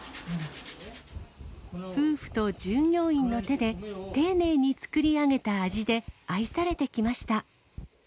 夫婦と従業員の手で、丁寧に作り上げた味で、愛されてきました。